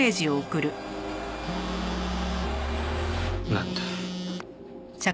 なんだ。